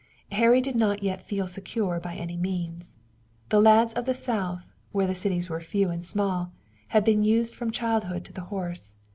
Harry did not yet feel secure by any means. The lads of the South, where the cities were few and small, had been used from childhood to the horse.